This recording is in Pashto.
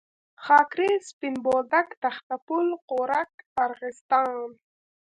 خاکریز، سپین بولدک، تخته پل، غورک، ارغستان.